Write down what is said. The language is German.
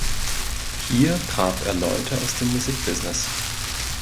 Hier traf er Leute aus dem Musikbusiness.